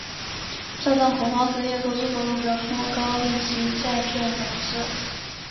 这段恐慌时期的投资活动主要通过高利息债券融资。